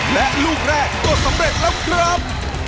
และลูกแรกก็สำเร็จแล้วครับ